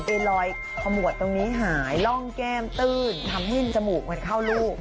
รอยขมวดตรงนี้หายร่องแก้มตื้นทำให้จมูกมันเข้าลูก